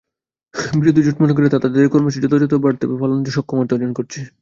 বিরোধী জোট মনে করে, তারা তাদের কর্মসূচি যথার্থভাবে পালনে সক্ষমতা অর্জন করেছে।